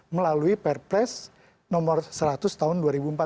melalui perpres nomor seratus tahun dua ribu empat belas